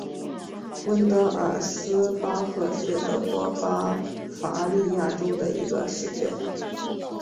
温德尔斯巴赫是德国巴伐利亚州的一个市镇。